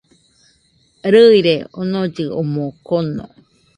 Rɨire onollɨ omɨ kono